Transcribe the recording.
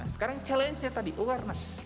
sekarang challenge nya tadi awareness